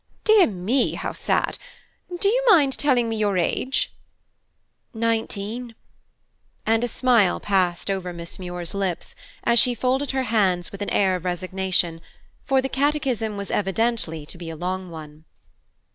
"Dear me, how sad! Do you mind telling me your age?" "Nineteen." And a smile passed over Miss Muir's lips, as she folded her hands with an air of resignation, for the catechism was evidently to be a long one.